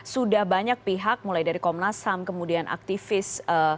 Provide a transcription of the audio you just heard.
sudah banyak pihak mulai dari komnas ham kemudian aktivis